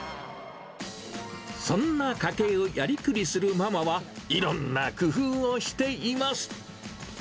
そんな家計をやりくりするママは、いろんな工夫をしています。